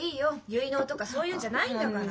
結納とかそういうんじゃないんだから。